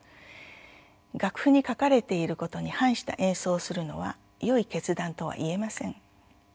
楽譜に書かれていることに反した演奏をするのはよい決断とは言えません。